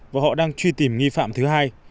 và họ đang truy tìm nghi phạm thứ hai